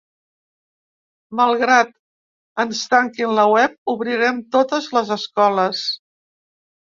Malgrat ens tanquin la web, obrirem totes les escoles!